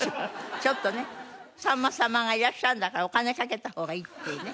ちょっとねさんま様がいらっしゃるんだからお金かけた方がいいっていうね